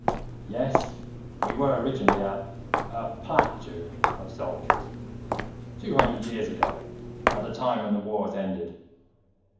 "Yes, we were originally a ... a pla toon of soldiers, two hundred years ago, at the time when the Wars ended.